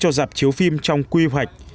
cho giảm chiếu phim trong quy hoạch